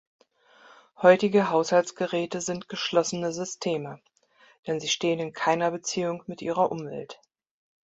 Heutige Haushaltsgeräte sind geschlossene Systeme, denn sie stehen in keiner Beziehung mit ihrer Umwelt.